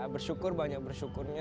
bersyukur banyak bersyukurnya